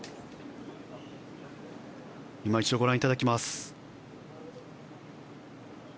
いま一度ご覧いただきます。